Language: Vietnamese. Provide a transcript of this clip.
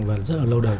và rất là lâu đời